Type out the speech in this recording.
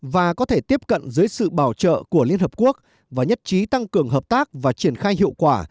và có thể tiếp cận dưới sự bảo trợ của liên hợp quốc và nhất trí tăng cường hợp tác và triển khai hiệu quả